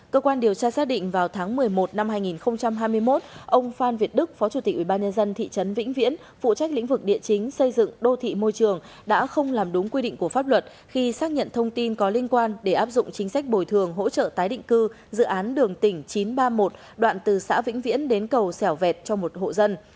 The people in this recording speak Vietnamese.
cơ quan điều tra xác định vào tháng một mươi một năm hai nghìn hai mươi một ông phan việt đức phó chủ tịch ubnd thị trấn vĩnh viễn phụ trách lĩnh vực địa chính xây dựng đô thị môi trường đã không làm đúng quy định của pháp luật khi xác nhận thông tin có liên quan để áp dụng chính sách bồi thường hỗ trợ tái định cư dự án đường tỉnh chín trăm ba mươi một đoạn từ xã vĩnh viễn đến cầu sẻo vẹt cho một hộ dân